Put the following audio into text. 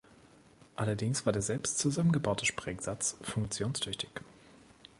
Allerdings war der selbst zusammengebaute Sprengsatz funktionstüchtig.